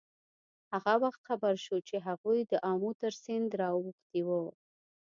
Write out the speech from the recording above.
هغه وخت خبر شو چې هغوی د آمو تر سیند را اوښتي وو.